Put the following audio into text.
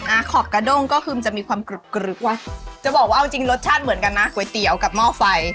อ่าขอบกระโด้งก็คือมันจะมีความกลึ๊บว่ะจะบอกว่าเอาจริงรสชาติเหมือนกันนะ